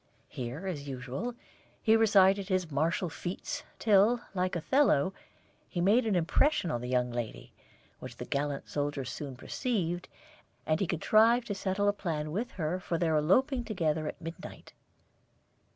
He there, as usual, recited his martial feats, till, like Othello, he made an impression on the young lady, which the gallant soldier soon perceived, and he contrived to settle a plan with her for their eloping together at midnight.